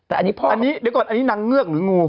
อันนี้นางเงือกหรืองู